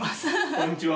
こんにちは。